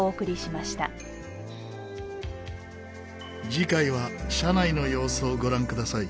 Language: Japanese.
次回は車内の様子をご覧ください。